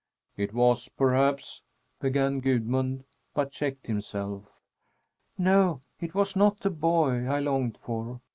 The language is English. "It was perhaps " began Gudmund, but checked himself. "No, it was not the boy I longed for.